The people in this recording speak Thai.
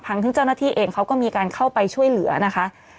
ทั้งที่เจ้าหน้าที่เองเขาก็มีการเข้าไปช่วยเหลือนะคะ